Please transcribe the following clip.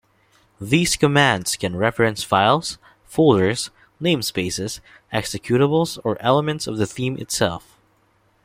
These commands can reference files, folders, namespaces, executables, or elements of the theme itself.